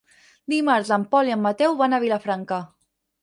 Dimarts en Pol i en Mateu van a Vilafranca.